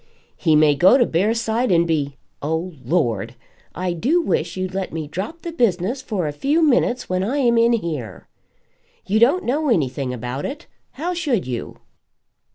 "He may go to Bearside and be ! Oh, Lord! I do wish you'd let me drop the business for a few minutes when I am in here. You don't know anything about it. How should you?"